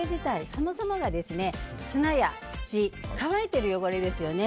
そもそもが砂や土、乾いている汚れですよね。